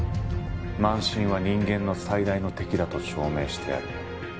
「慢心は人間の最大の敵だと証明してやる」